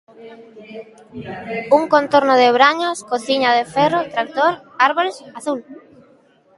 Un contorno de brañas, cociña de ferro, tractor, árbores, azul.